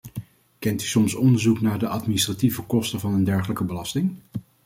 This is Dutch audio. Kent u soms onderzoek naar de administratieve kosten van een dergelijke belasting?